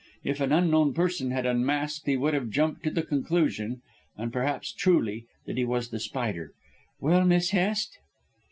If an unknown person had unmasked he would have jumped to the conclusion, and perhaps truly, that he was The Spider. Well, Miss Hest?"